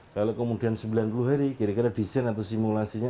kalau kemudian sembilan puluh hari kira kira desain atau simulasinya